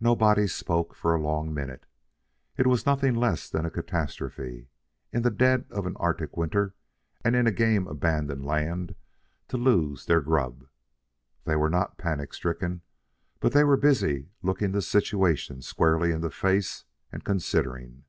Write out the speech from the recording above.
Nobody spoke for a long minute. It was nothing less than a catastrophe, in the dead of an Arctic winter and in a game abandoned land, to lose their grub. They were not panic stricken, but they were busy looking the situation squarely in the face and considering.